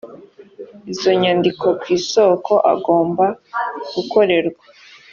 izo nyandiko ku isoko agomba gukorerwa